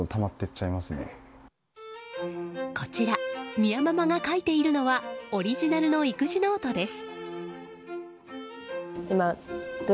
美弥ママが書いているのはオリジナルの育児ノートです。